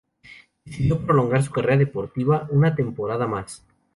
Decidió prolongar su carrera deportiva una temporada más.